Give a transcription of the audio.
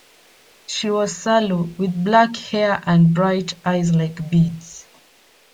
She was sallow, with black hair and bright eyes like beads.